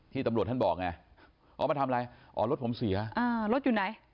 ที่ตำรวจท่านบอกไงมันทำอะไรรถผมเสียรถอยู่ไหน